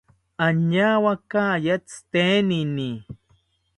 Añawakaya tzitenini